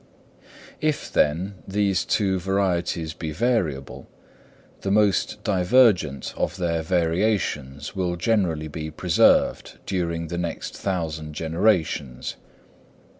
If, then, these two varieties be variable, the most divergent of their variations will generally be preserved during the next thousand generations.